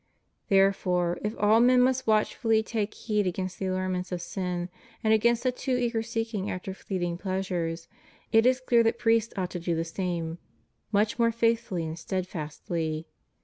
' Therefore, if all men must watchfully take heed against the allurements of sin, and against a too eager seeking after fleeting pleasures, it is clear that priests ought to do the same much more faithfully and steadfastly.